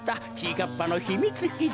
かっぱのひみつきち。